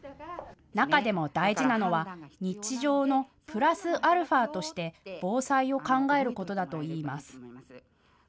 中でも大事なのは日常のプラスアルファとして防災を考えることだといいます。